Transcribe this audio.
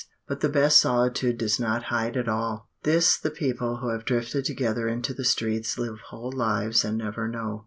But the best solitude does not hide at all. This the people who have drifted together into the streets live whole lives and never know.